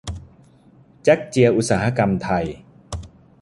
แจ๊กเจียอุตสาหกรรม ไทย